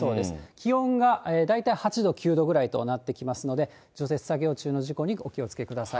気温が大体８度、９度ぐらいとなってきますので、除雪作業中の事故にお気をつけください。